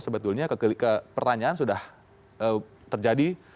sebetulnya pertanyaan sudah terjadi